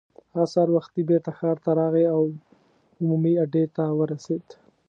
هغه سهار وختي بېرته ښار ته راغی او عمومي اډې ته ورسېد.